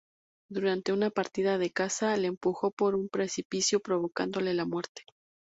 Durante una partida de caza le empujó por un precipicio provocándole la muerte.